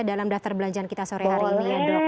dalam daftar belanjaan kita sore hari ini ya dok